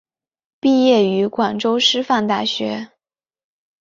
毕业于广州师范大学。